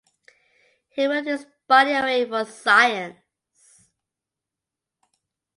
He willed his body away for science.